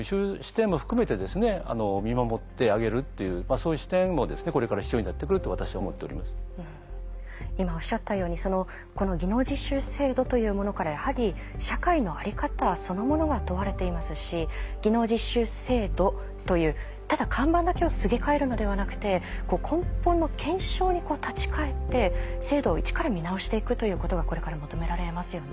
そういう形で企業のほうもあるいは我々も今おっしゃったようにこの技能実習制度というものからやはり社会の在り方そのものが問われていますし技能実習制度というただ看板だけをすげ替えるのではなくて根本の検証に立ち返って制度を一から見直していくということがこれから求められますよね。